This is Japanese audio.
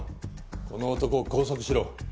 この男を拘束しろ！